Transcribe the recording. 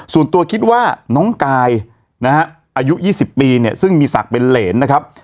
ส่วนตัวคิดว่าน้องกายนะฮะอายุ๒๐ปีเนี่ยซึ่งมีศักดิ์เป็นเหรนนะครับ